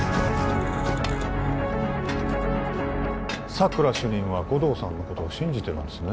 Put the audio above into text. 佐久良主任は護道さんのことを信じてるんですね